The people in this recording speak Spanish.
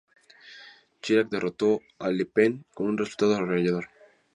Chirac derrotó a Le Pen con un resultado arrollador.